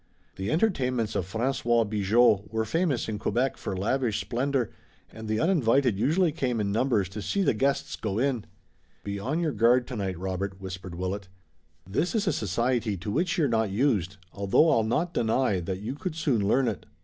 The entertainments of François Bigot were famous in Quebec for lavish splendor, and the uninvited usually came in numbers to see the guests go in. "Be on your guard tonight, Robert," whispered Willet. "This is a society to which you're not used, although I'll not deny that you could soon learn it.